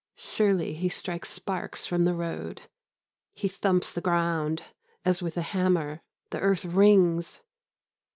Surely, he strikes sparks from the road. He thumps the ground as with a hammer. The earth rings.